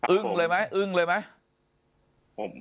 เลยไหมอึ้งเลยไหม